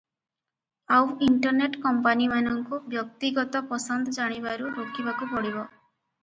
ଆଉ ଇଣ୍ଟରନେଟ କମ୍ପାନିମାନଙ୍କୁ ବ୍ୟକ୍ତିଗତ ପସନ୍ଦ ଜାଣିବାରୁ ରୋକିବାକୁ ପଡ଼ିବ ।